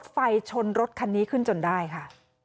ไฟชนรถคันนี้ขึ้นจนได้ค่ะ